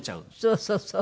そうそうそう。